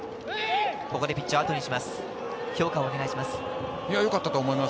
ここでピッチをあとにします。